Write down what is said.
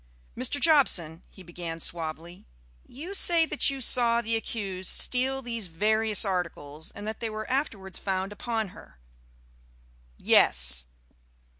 "Mr. Jobson," he began suavely, "you say that you saw the accused steal these various articles, and that they were afterwards found upon her?" "Yes."